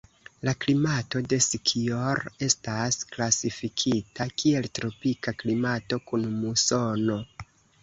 La klimato de Sikijor estas klasifikita kiel tropika klimato kun musono.